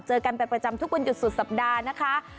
เจอกันเป็นประจำทุกวันหยุดสุดสัปดาห์นะคะ